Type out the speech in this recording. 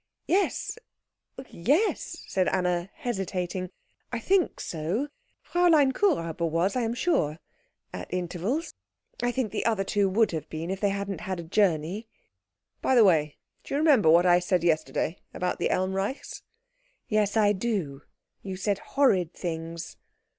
"Yes oh yes " said Anna, hesitating, "I think so. Fräulein Kuhräuber was, I am sure, at intervals. I think the other two would have been if they hadn't had a journey." "By the way, do you remember what I said yesterday about the Elmreichs?" "Yes, I do. You said horrid things."